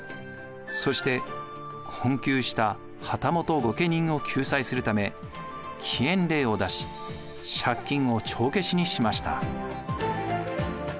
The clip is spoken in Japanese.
そして困窮した旗本御家人を救済するため棄捐令を出し借金を帳消しにしました。